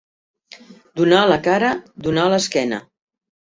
Donar la cara, donar l'esquena.